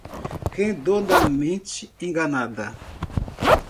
Redondamente enganada